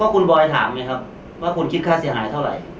คุณบอยถามไหมครับว่าคุณคิดค่าเสียหายเท่าไหร่